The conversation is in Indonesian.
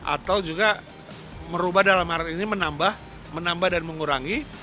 atau juga merubah dalam arti ini menambah dan mengurangi